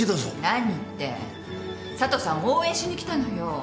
何って佐都さんを応援しに来たのよ。